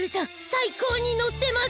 さいこうにのってます！